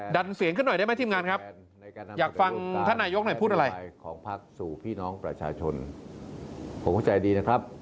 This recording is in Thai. ดันเสียงขึ้นหน่อยได้ไหมทีมงานครับ